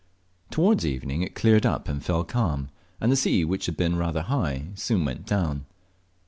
Towards evening it cleared up and fell calm, and the sea, which had been rather high, soon went down.